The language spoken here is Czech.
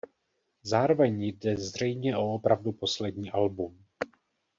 Zároveň jde zřejmě o opravdu poslední album.